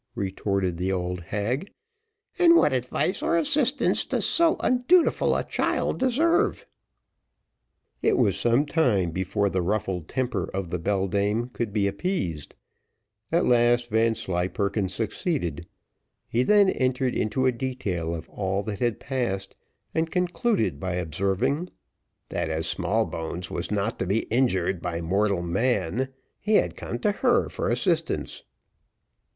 retorted the old hag. "And what advice or assistance does so undutiful a child deserve?" It was some time before the ruffled temper of the beldame could be appeased: at last, Vanslyperken succeeded. He then entered into a detail of all that had passed, and concluded by observing, "that as Smallbones was not to be injured by mortal man, he had come to her for assistance."